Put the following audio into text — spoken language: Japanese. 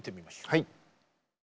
はい。